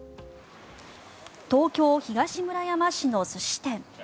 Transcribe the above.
東京・東村山市の寿司店。